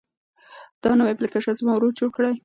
دا نوی اپلیکیشن زما ورور جوړ کړی دی.